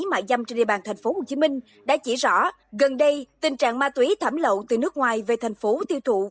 mại dâm trên địa bàn tp hcm đã chỉ rõ gần đây tình trạng ma túy thảm lậu từ nước ngoài về thành phố tiêu thụ